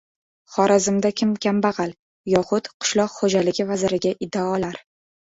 Xorazmda kim kambag‘al? Yoxud qishloq xo‘jaligi vaziriga iddaolar